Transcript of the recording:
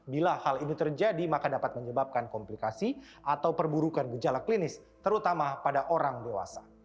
bila hal ini terjadi maka dapat menyebabkan komplikasi atau perburukan gejala klinis terutama pada orang dewasa